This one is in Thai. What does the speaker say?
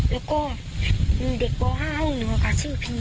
แล้วก็มีเด็กบ่อห้าห้าห้องเหนืออ่ะค่ะชื่อพีนี